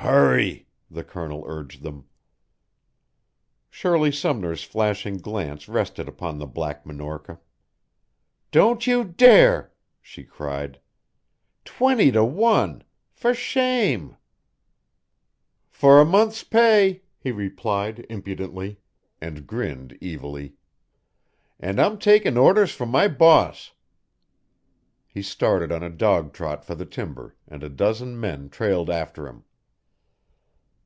"Hurry," the Colonel urged them. Shirley Sumner's flashing glance rested upon the Black Minorca. "Don't you dare!" she cried. "Twenty to one! For shame!" "For a month's pay," he replied impudently, and grinned evilly. "And I'm takin' orders from my boss." He started on a dog trot for the timber, and a dozen men trailed after him.